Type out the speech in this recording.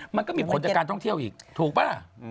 มันก็มีผลจากการท่องเที่ยวอีกถูกป่ะ